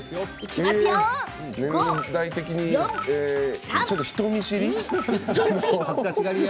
ちょっと人見知り？